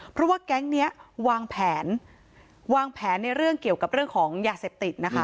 เพราะว่าแก๊งนี้วางแผนวางแผนในเรื่องเกี่ยวกับเรื่องของยาเสพติดนะคะ